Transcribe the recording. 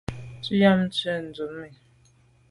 Tu am tshwèt ndume.